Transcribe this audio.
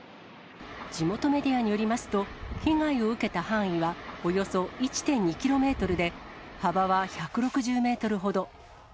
地元メディアによりますと、被害を受けた範囲はおよそ１．２キロメートルで、幅は１６０メートルほど。